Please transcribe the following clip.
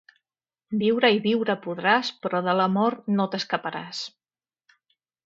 Viure i viure podràs, però de la mort no t'escaparàs.